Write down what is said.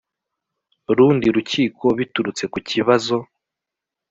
rundi rukiko biturutse ku kibazo